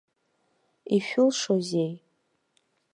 Ишәылшозеи?